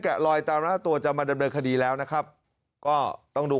ลอยตามหน้าตัวจะมาดำเนินคดีแล้วนะครับก็ต้องดู